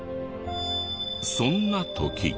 そんな時。